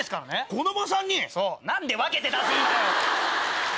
子供３人⁉何で分けて出すんだよ！